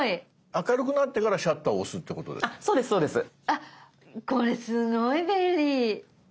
あっこれすごい便利！